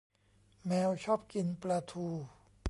แมวชอบกินปลาทู